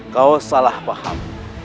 kau salah paham